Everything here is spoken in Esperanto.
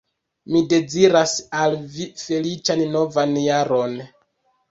Mi deziras al vi feliĉan novan jaron!